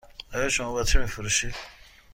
آیا شما باطری می فروشید؟